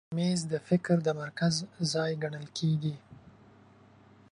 مېز د فکر د مرکز ځای ګڼل کېږي.